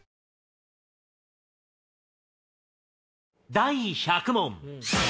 第１００問。